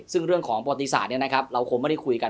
ซึ่งเรื่องของปฏิศาสตร์เนี่ยนะครับเราคงไม่ได้คุยกัน